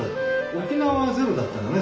沖縄はゼロだったんだね